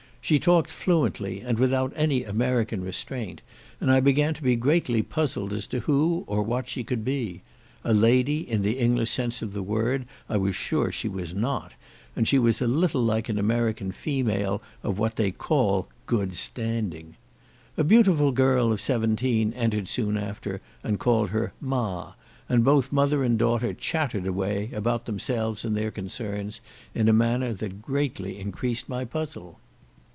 She talked fluently, and without any American restraint, and I began to be greatly puzzled as to who or what she could be; a lady, in the English sense of the word, I was sure she was not, and she was a little like an American female of what they call good standing. A beautiful girl of seventeen entered soon after, and called her "Ma," and both mother and daughter chattered away, about themselves and their concerns, in a manner that greatly increased my puzzle.